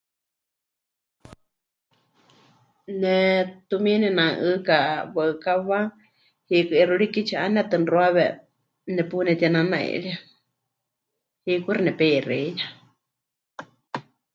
Ne tumiini ne'anu'ɨka waɨkawa hiikɨ 'ixuuríki tsi'ánenetɨ muxuawe nepunetinanairi, hiikɨ kuxi nepeixeiya.